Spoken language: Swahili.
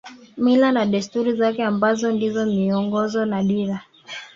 Mila na desturi zake ambazo ndizo miongozo na dira